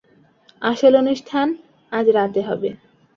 আসল অনুষ্ঠান আজ রাতে হবে।